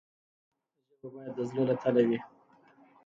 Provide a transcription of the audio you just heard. ژبه باید د زړه له تله وي.